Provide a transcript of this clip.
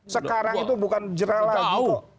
sekarang itu bukan jerah lagi pak